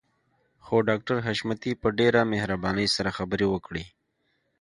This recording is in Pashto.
خو ډاکټر حشمتي په ډېره مهربانۍ سره خبرې وکړې.